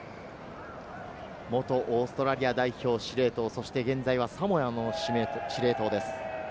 元オーストラリア代表、司令塔、そして現在はサモアの司令塔です。